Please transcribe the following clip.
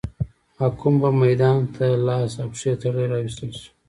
محکوم به میدان ته لاس او پښې تړلی راوستل شو.